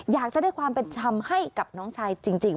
อยากจะได้ความเป็นธรรมให้กับน้องชายจริง